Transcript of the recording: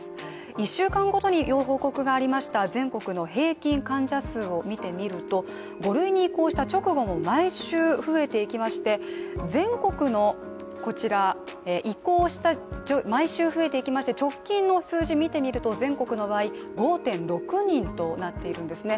１週間ごとに報告がありました全国の平均患者数を見てみると５類に移行した直後も毎週増えていきまして毎週増えていきました直近の数字見てみると全国の場合５．６人となっているんですね。